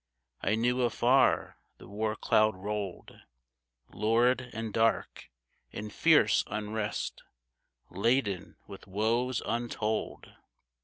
I knew afar the war cloud rolled Lurid and dark, in fierce unrest, Laden with woes untold.